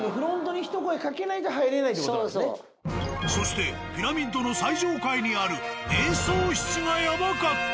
そしてピラミッドの最上階にある瞑想室がやばかった。